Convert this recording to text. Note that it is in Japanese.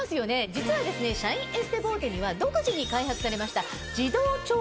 実はシャインエステボーテには独自に開発されました。